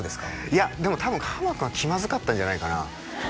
いやでも多分ハマ君は気まずかったんじゃないかな